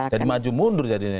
jadi maju mundur jadinya